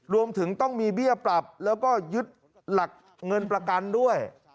รวมถึงต้องมีเบี้ยปรับแล้วก็ยึดหลักเงินประกันด้วย